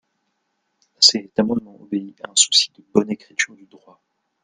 Cet amendement obéit à un souci de bonne écriture du droit.